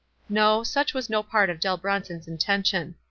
No ; such was no part of Dell Bronson's in tention.